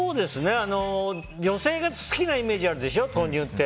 女性が好きなイメージがあるでしょ、豆乳って。